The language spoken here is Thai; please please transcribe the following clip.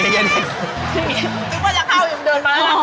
รู้เลยจะเข้ายกเดินมา